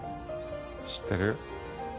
知ってる？